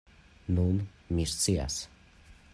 Nun, mi scias.